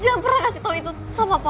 jangan pernah kasih tahu itu sama papa